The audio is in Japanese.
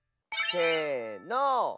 せの。